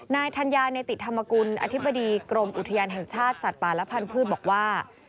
นายธัญญาเนติธรรมกุลอธิบดีกรมอุทยานแห่งชาติสัตว์ป่าและพันธุ์บอกว่า